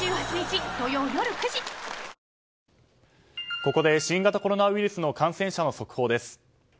ここで新型コロナウイルスの感染者の速報です。